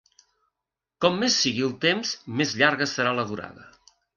Com més sigui el temps més llarga serà la durada.